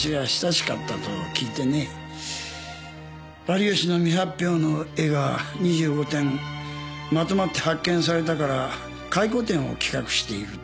有吉の未発表の絵が２５点まとまって発見されたから回顧展を企画している。